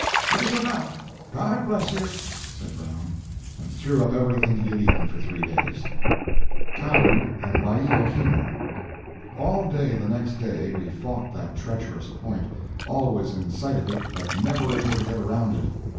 "It is enough. God bless you!" said Brown, and threw up everything he had eaten for three days. KAU AND WAIOHINU All day the next day we fought that treacherous point—always in sight of it but never able to get around it.